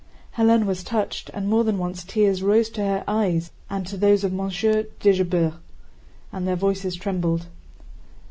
Hélène was touched, and more than once tears rose to her eyes and to those of Monsieur de Jobert and their voices trembled.